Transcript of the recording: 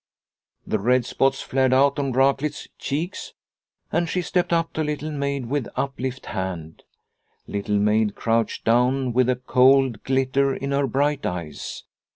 The red spots flared out on Raklitz's cheeks and she stepped up to Little Maid with up lifted hand. Little Maid crouched down with a cold glitter in her bright eyes.